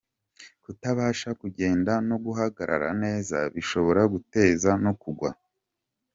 Kutabasha kugenda no guhagarara neza bishobora guteza no kugwa.